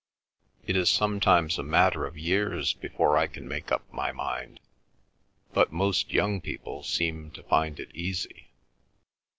It is sometimes a matter of years before I can make up my mind. But most young people seem to find it easy?"